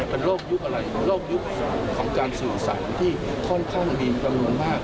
เป็นโรคยุคอะไรโรคยุคของการสื่อสารที่ค่อนข้างมีจำนวนมาก